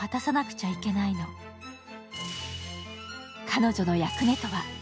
彼女の役目とは。